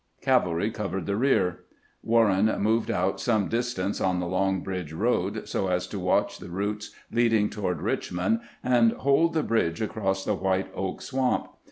Cavalry covered the rear. Warren moved out some dis tance on the Long Bridge road, so as to watch the routes leading toward Eichmond and hold the bridge across the White Oak Swamp.